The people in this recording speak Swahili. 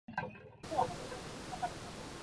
Upana wa China kati ya kaskazini na kusini ni